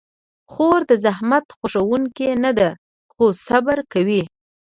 خور د زحمت خوښونکې نه ده، خو صبر کوي.